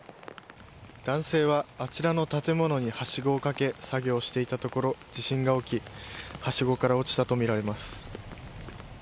男性はあちらの建物にはしごを掛け作業をしていたところ地震が起きはしごから落ちたとみられます。